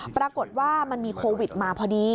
ปรากฏว่ามันมีโควิดมาพอดี